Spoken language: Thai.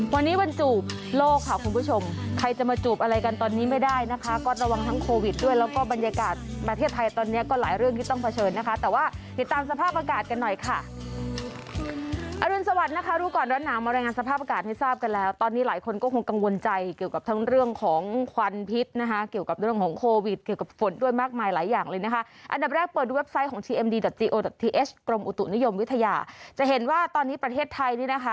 วันนี้วันจูบโลกค่ะคุณผู้ชมใครจะมาจูบอะไรกันตอนนี้ไม่ได้นะคะก็ระวังทั้งโควิดด้วยแล้วก็บรรยากาศประเทศไทยตอนนี้ก็หลายเรื่องที่ต้องเผชิญนะคะแต่ว่าติดตามสภาพอากาศกันหน่อยค่ะอรุณสวัสดินะคะรู้ก่อนร้อนหนาวมารายงานสภาพอากาศให้ทราบกันแล้วตอนนี้หลายคนก็คงกังวลใจเกี่ยวกับทั้งเรื่องของควันพิษนะคะเกี่ยวกับเรื่องของโควิดเกี่ยวกับฝนด้วยมากมายหลายอย่างเลยนะคะ